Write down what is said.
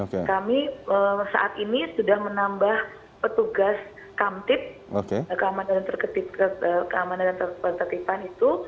kami saat ini sudah menambah petugas kamtip keamanan dan ketertiban itu